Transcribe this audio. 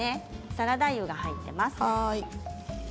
サラダ油が入っています。